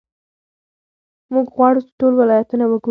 موږ غواړو چې ټول ولایتونه وګورو.